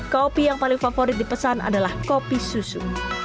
kopi yang paling favorit dipesan adalah kopi susu